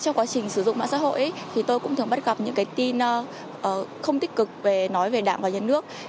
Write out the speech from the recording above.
trong quá trình sử dụng mạng xã hội tôi cũng thường bắt gặp những tin không tích cực nói về đảng và nhân nước